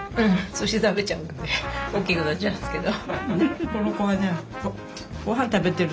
そして食べちゃうんで大きくなっちゃうんですけど。